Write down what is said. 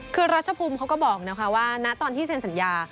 คือรัชภูมิเขาก็บอกนะคะว่าณตอนที่เซ็นสัญญา